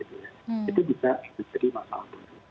itu bisa menjadi masalah